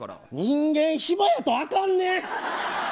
人間、暇やと、あかんね。